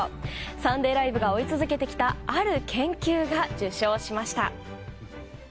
「サンデーＬＩＶＥ！！」が追い続けてきたある研究が受賞しました。